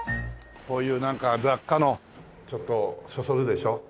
こういうなんか雑貨のちょっとそそるでしょ。